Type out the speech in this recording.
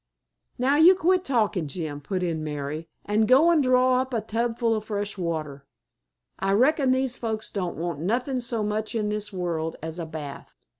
"Now you quit talkin', Jim," put in "Mary," "and go an' draw up a tubful o' fresh water. I reckon these folks don't want nothin' so much in this world as a bath.